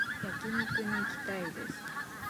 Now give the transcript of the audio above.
焼肉に行きたいです